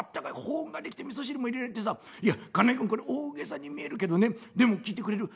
保温ができてみそ汁も入れられてさいや金井君これ大げさに見えるけどねでも聞いてくれる？